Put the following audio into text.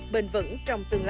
bền vững trong tương lai